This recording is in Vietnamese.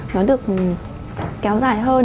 nó được kéo dài hơn